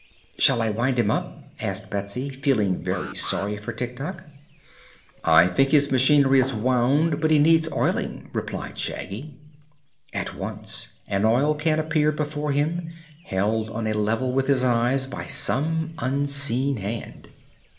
"Shall I wind him up?" asked Betsy, feeling very sorry for Tik Tok. "I think his machinery is wound; but he needs oiling," replied Shaggy. At once an oil can appeared before him, held on a level with his eyes by some unseen hand.